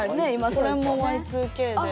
これもＹ２Ｋで。